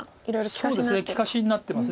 そうですね利かしになってます。